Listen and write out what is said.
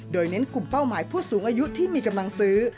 โดยเน้นกลุ่มเป้าหมายผู้สูงอายุที่มีกำลังซื้อ